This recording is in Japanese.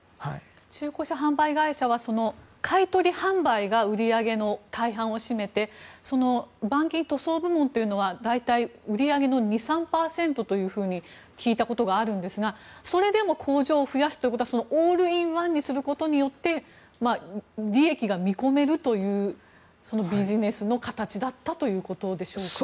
中古車販売会社は買い取り販売が売り上げの大半を占めてその板金塗装部門は大体、売り上げの２３％と聞いたことがあるんですがそれでも工場を増やすのはオールインワンにすることによって利益が見込めるというビジネスの形だったということでしょうか。